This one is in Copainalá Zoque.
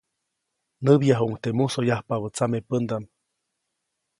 Näbyajuʼuŋ teʼ musoyapabä tsamepändaʼm.